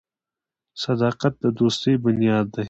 • صداقت د دوستۍ بنیاد دی.